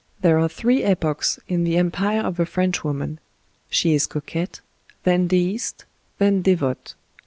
There are three epochs in the empire of a Frenchwoman — she is coquette, then deist, then devote.